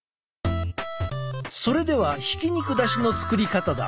それではひき肉だしの作り方だ。